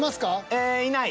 ええいない。